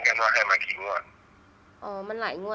คุณพ่อได้จดหมายมาที่บ้าน